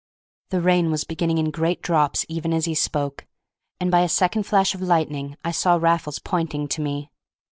The rain was beginning in great drops, even as he spoke, and by a second flash of lightning I saw Raffles pointing to me.